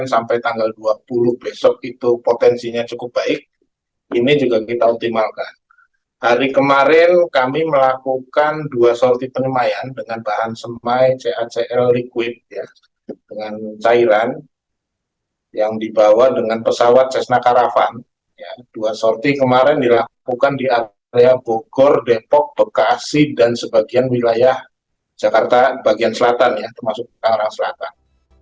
seperti kemarin dilakukan di area bogor depok bekasi dan sebagian wilayah jakarta bagian selatan ya termasuk tengah selatan